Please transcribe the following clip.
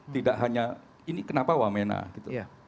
tidak hanya ini kenapa wamena gitu